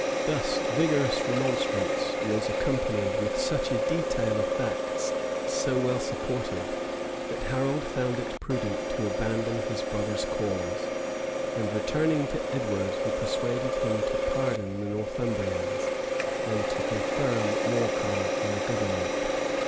Thus vigorous remonstrance was accompanied with such a detail of facts, so well supported, that Harold found it prudent to abandon his brother's cause; and returning to Edward, he persuaded him to pardon the Northumbrians, and to confirm Morcar in the government.